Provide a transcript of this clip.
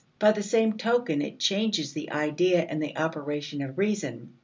By the same token, it changes the idea and the operation of reason.